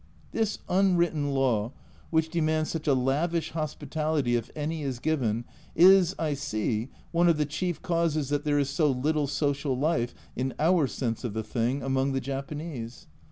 This unwritten law, which demands such a lavish hospitality if any is given, is, I see, one of the chief causes that there is so little social life, in our sense of the thing, among the Japanese.